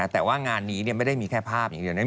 แต่ว่างานนี้ไม่ได้มีแค่ภาพอย่างเดียว